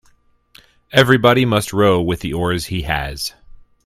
Everybody must row with the oars he has.